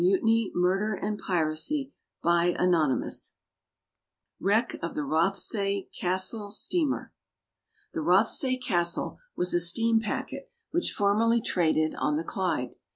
WRECK OF THE ROTHSAY CASTLE STEAMER. The Rothsay Castle was a steam packet which formerly traded on the Clyde.